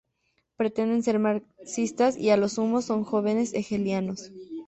Pretenden ser marxistas y a lo sumo son jóvenes hegelianos.